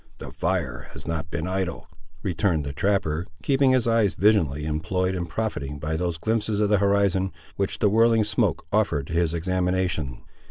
"The fire has not been idle," returned the trapper, keeping his eye vigilantly employed in profiting by those glimpses of the horizon, which the whirling smoke offered to his examination.